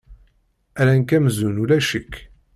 Rran-k amzun ulac-ik.